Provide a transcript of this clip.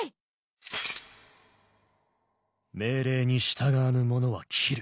命令に従わぬ者は斬る。